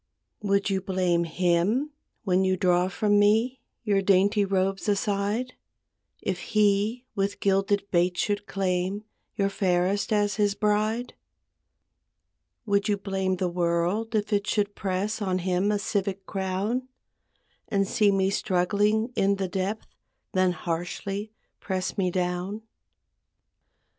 Would you blame him, when you draw from me Your dainty robes aside, If he with gilded baits should claim Your fairest as his bride? Would you blame the world if it should press On him a civic crown; And see me struggling in the depth Then harshly press me down?